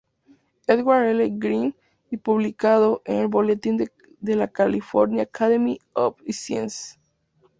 Edward L. Greene y publicado en el Boletín de la California Academy of Sciences.